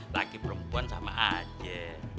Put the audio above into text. laki perempuan sama aja